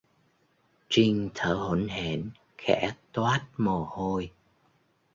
Trinh thở hổn hển khẽ toát mồ hôi